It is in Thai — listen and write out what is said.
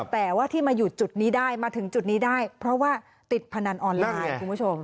แต่ว่าที่มาอยู่จุดนี้ได้มาถึงจุดนี้ได้เพราะว่าติดพนันออนไลน์คุณผู้ชม